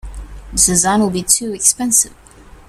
This design will be too expensive.